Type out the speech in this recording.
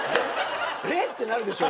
えっ！？ってなるでしょ